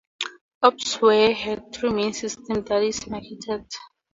Opsware had three main systems that it marketed.